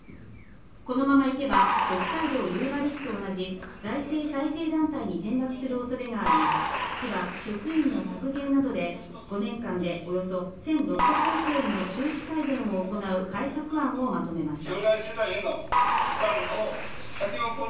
このまま行けば、北海道夕張市と同じ財政再生団体に転落する恐れがあり、市は職員の削減などで５年間でおよそ１６００億円の収支改善を行う改革案をまとめました。